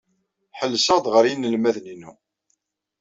Ḥellseɣ-d ɣer yinelmaden-inu.